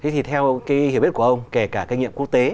thì theo hiểu biết của ông kể cả kinh nghiệm quốc tế